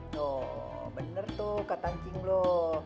tuh bener tuh kata anjing lo